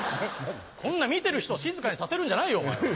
こんな見てる人を静かにさせるんじゃないよ。